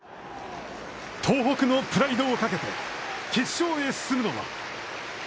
東北のプライドをかけて決勝へ進むのは。